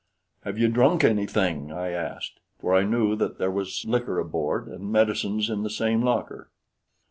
"Have you drunk anything?" I asked, for I knew that there was liquor aboard, and medicines in the same locker.